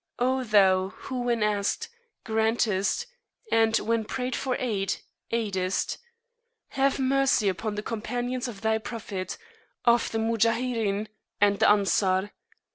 O Thou, who when asked, grantest, and when prayed for aid, aidest! Have Mercy upon the Companions of thy Prophet, of the Muhajirin, and the Ansar!